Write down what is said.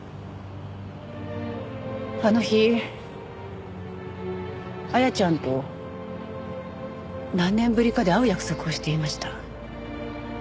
あの日綾ちゃんと何年ぶりかで会う約束をしていました。